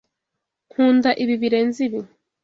Nkunda ibi birenze ibi.